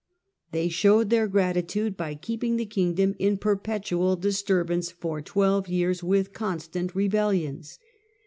They showed their gratitude by keeping the kingdom in perpetual disturbance for twelve years with constant rebellions.